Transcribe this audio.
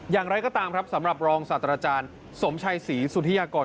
อย่างไรก็ตามครับสำหรับรองศาสตราจารย์สมชัยศรีสุธิยากร